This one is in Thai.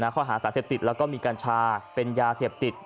ข้อหาสารเสพติดแล้วก็มีกัญชาเป็นยาเสพติด